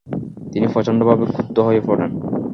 তিনি প্রচণ্ডভাবে ক্রুদ্ধ হয়ে পড়েন।